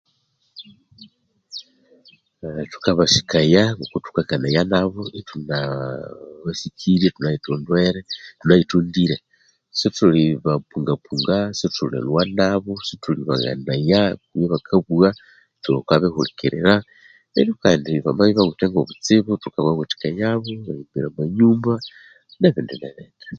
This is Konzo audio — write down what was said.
Neryo thukabasikaya thukakanaya nabo ithuna ah basikirye ithunayithondwere ithunayithondire sithulibapungapunga sithulilhwanabo sithulibaghanaya ebya bakabugha thukabihulikirira neru kandi bamabya bawithe ngo butsibu thukabawathikayabo amanyumba ne bindi ne bindi